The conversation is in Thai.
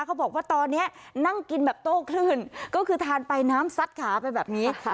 เขาบอกว่าตอนนี้นั่งกินแบบโต้คลื่นก็คือทานไปน้ำซัดขาไปแบบนี้